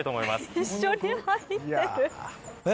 一緒に入ってる。